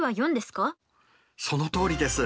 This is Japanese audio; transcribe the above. そのとおりです。